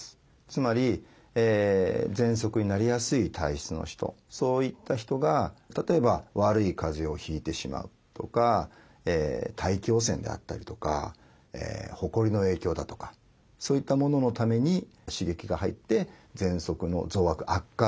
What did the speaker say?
つまりぜんそくになりやすい体質の人そういった人が例えば悪いかぜをひいてしまうとか大気汚染であったりとかほこりの影響だとかそういったもののために刺激が入ってぜんそくの増悪悪化。